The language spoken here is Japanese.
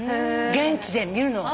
現地で見るのは。